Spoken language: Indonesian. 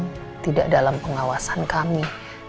yang tidak dalam pengawasan kami